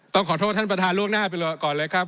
ต้องขอโทษท่านประธานล่วงหน้าไปก่อนเลยครับ